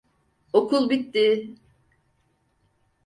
Okul bitti.